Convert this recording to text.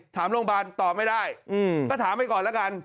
ถามโรงพยาบาลตอบไม่ได้ก็ถามไปก่อนแล้วกัน